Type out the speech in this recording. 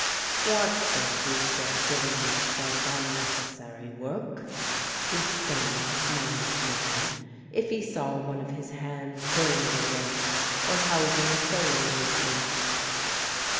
"What's the use of giving yourself on necessary work?" he'd say in his mild manner, if he saw one of his hands coiling a rope or housing a sail neatly.